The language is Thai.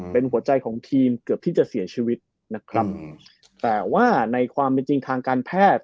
เป็นหัวใจของทีมเกือบที่จะเสียชีวิตนะครับแต่ว่าในความเป็นจริงทางการแพทย์